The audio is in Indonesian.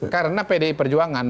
karena pdi perjuangan